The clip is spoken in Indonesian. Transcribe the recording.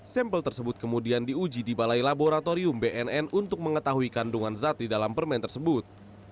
sampel tersebut kemudian diuji di balai laboratorium bnn untuk mengetahui kandungan zat di dalam permen tersebut